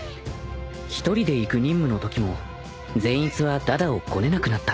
［一人で行く任務のときも善逸は駄々をこねなくなった］